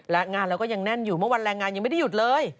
และงานเราก็ยังแน่นอยู่เมื่อวันแรงงานยังไม่ได้หยุดเลย